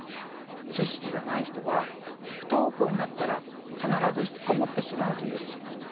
知識がない人は不登校になったら必ず引きこもってしまうと言うでしょう。